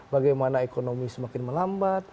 bagaimana ekonomi semakin melambat